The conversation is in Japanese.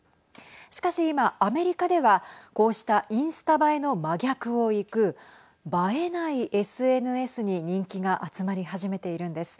しかし、今アメリカではこうしたインスタ映えの真逆をいく映えないＳＮＳに人気が集まり始めているんです。